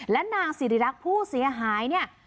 และนางสิริรักษ์ผู้เสียหายเนี่ย